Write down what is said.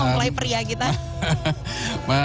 ini mempelai periak kita